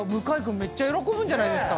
めっちゃ喜ぶんじゃないですか。